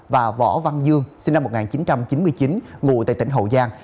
và võ văn dương sinh năm một nghìn chín trăm chín mươi chín ngụ tại tỉnh hậu giang